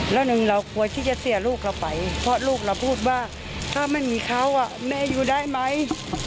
แล้วหนึ่งเราควรที่จะเสียลูกเราไปเพราะลูกเราพูดว่าถ้าไม่มีเขาแม่อยู่ได้ไหม